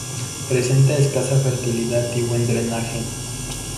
Presenta escasa fertilidad y buen drenaje.